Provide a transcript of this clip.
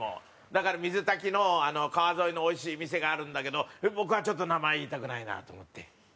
だから水炊きの川沿いのおいしい店があるんだけど僕はちょっと名前言いたくないなと思って。